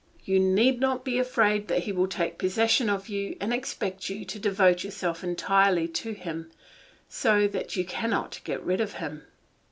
You need not be afraid that he will take possession of you and expect you to devote yourself entirely to him, so that you cannot get rid of him.